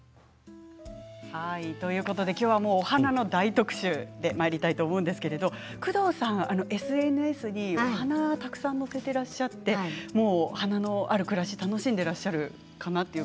今日は、お花の大特集でまいりたいと思うんですけれど工藤さんはＳＮＳにお花をたくさん載せていらっしゃって花のある暮らしを楽しんでいらっしゃるかな